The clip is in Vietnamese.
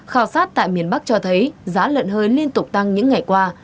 khảo sát tại miền bắc cho thấy giá lợn hơi liên tục tăng những ngày qua